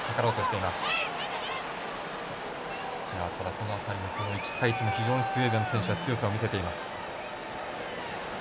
この辺りの１対１も非常にスウェーデンの選手は強さも見せています。